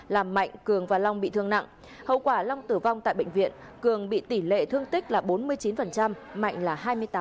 làm mạnh cường và long bị thương nặng hậu quả long tử vong tại bệnh viện cường bị tỷ lệ thương tích là bốn mươi chín mạnh là hai mươi tám